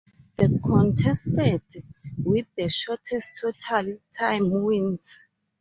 The contestant with the shortest total time wins.